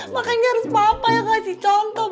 makanya harus papa yang kasih contoh